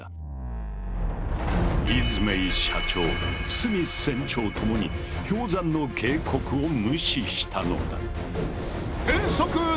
イズメイ社長スミス船長ともに氷山の警告を無視したのだ。